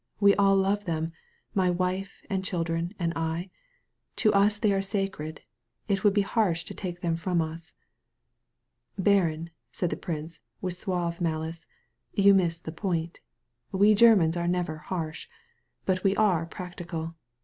"We all love them, my wife and chil dren and I. To us they are sacred. It would be harsh to take them from us." "Baron," said the prince, with suave malice, "you miss the point. We Germans are never harsh. But we are practical.